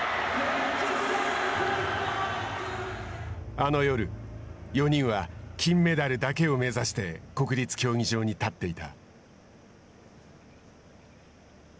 あの夜、４人は金メダルだけを目指して国立競技場に立っていた。